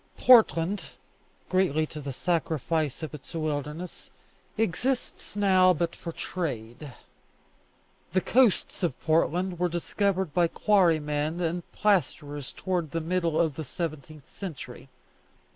Portland, greatly to the sacrifice of its wildness, exists now but for trade. The coasts of Portland were discovered by quarrymen and plasterers towards the middle of the seventeenth century.